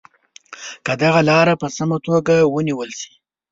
که دغه لاره په سمه توګه ونیول شي.